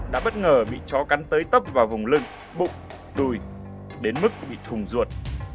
đã bất ngờ bị chó cắn tới tấp vào vùng lưng bụng đùi đến mức bị thùng ruột